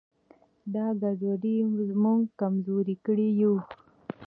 دا ګډوډي موږ کمزوري کړي یو.